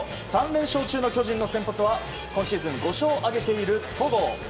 ３連勝中の巨人の先発は今シーズン５勝挙げている戸郷。